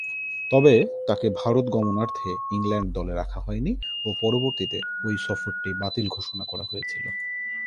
তবে, তাকে ভারত গমনার্থে ইংল্যান্ড দলে রাখা হয়নি ও পরবর্তীতে ঐ সফরটি বাতিল ঘোষণা করা হয়েছিল।